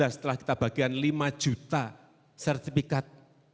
setelah kita bagikan lima juta sertifikat